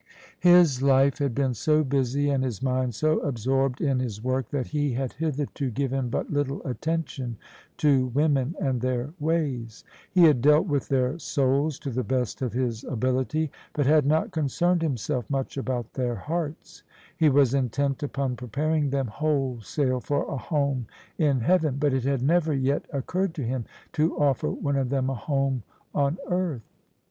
His life had been so busy and his mind so absorbed in his work, that he had hitherto given but little attention to women and their ways. He had dealt with their souls to the best of his ability, but had not concerned himself much about their hearts: he was intent upon preparing them wholesale for a home in Heaven, but it had never yet oc curred to him to offer one of them a home on earth.